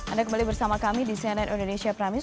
anda kembali bersama kami di cnn indonesia prime news